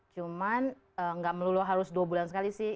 cuman nggak melulu harus dua bulan sekali sih